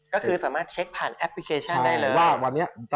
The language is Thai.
ก็คือสามารถเช็คผ่านแอปพลิเคชันได้เลยว่าวันนี้